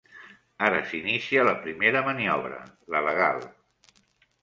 Ara s'inicia la primera maniobra, la legal.